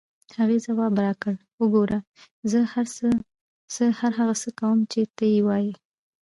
هغې ځواب راکړ: وګوره، زه هر هغه څه کوم چې ته یې وایې.